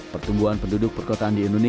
pertumbuhan penduduk perkotaan di indonesia